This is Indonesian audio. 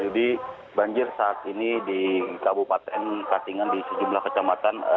jadi banjir saat ini di kabupaten katingan di sejumlah kecamatan